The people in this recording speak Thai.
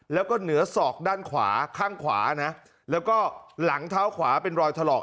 แล้วก็เหนือศอกด้านขวาข้างขวานะแล้วก็หลังเท้าขวาเป็นรอยถลอก